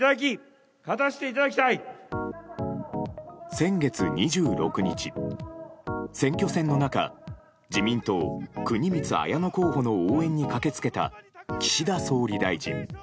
先月２６日、選挙戦の中自民党、国光文乃候補の応援に駆けつけた岸田総理大臣。